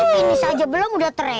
ini saja belum udah tereak